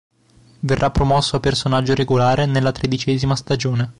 Verrà promosso a personaggio regolare nella tredicesima stagione.